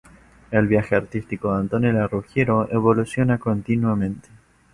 El viaje artístico de Antonella Ruggiero evoluciona continuamente.